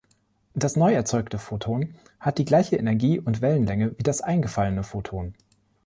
Das neu erzeugte Photon hat die gleiche Energie und Wellenlänge wie das eingefallene Photon.